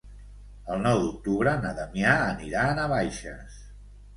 El nou d'octubre na Damià anirà a Navaixes.